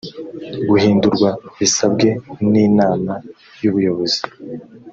guhindurwa bisabwe n inama y ubuyobozi